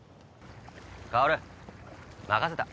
薫任せた。